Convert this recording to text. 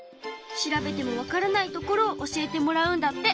調べてもわからないところを教えてもらうんだって。